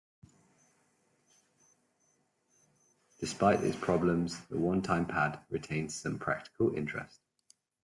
Despite its problems, the one-time-pad retains some practical interest.